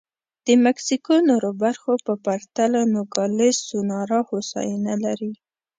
د مکسیکو نورو برخو په پرتله نوګالس سونورا هوساینه لري.